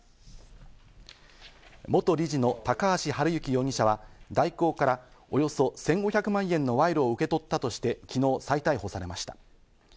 元理事の高橋治之容疑者は大広からおよそ１５００万円の賄賂を受け取ったとして、昨日、再逮捕されました。